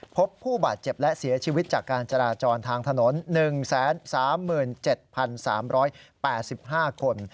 พบผู้บาดเจ็บและเสียชีวิตจากการจราจรทางถนน๑๓๗๓๘๕คน